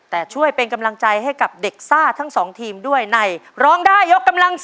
แต่ช่วยเป็นกำลังใจให้กับเด็กซ่าทั้ง๒ทีมด้วยในร้องได้ยกกำลัง๒